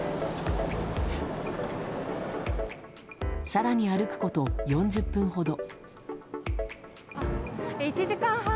更に歩くこと４０分ほど。